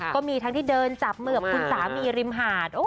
ก็มีทั้งที่เดินจับเหมือบคุณสามีริมหาด